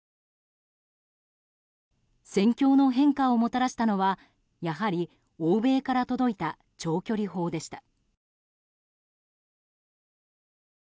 戦況の変化をもたらしたのはやはり欧米から届いた長距離砲でした。